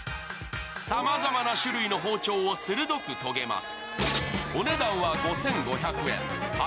さまざまな種類の包丁を鋭く研げます。